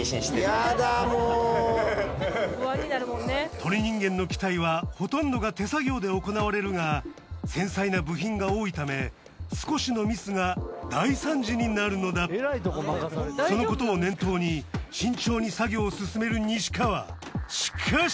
『鳥人間』の機体はほとんどが手作業で行われるが繊細な部品が多いため少しのミスが大惨事になるのだそのことを念頭に慎重に作業を進める西川しかし！